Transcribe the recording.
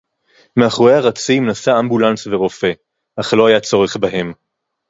מֵאֲחוֹרֵי הָרָצִים נָסַע אַמְבּוּלַנְס וְרוֹפֵא, אַךְ לֹא הָיָה צוֹרֵךְ בָּהֶם.